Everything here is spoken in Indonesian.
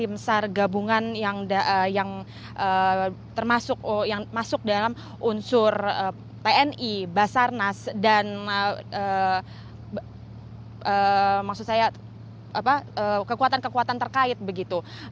tim sar gabungan yang termasuk yang masuk dalam unsur tni basarnas dan maksud saya kekuatan kekuatan terkait begitu